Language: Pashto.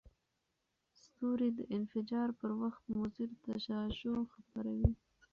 ستوري د انفجار پر وخت مضر تشعشع خپروي.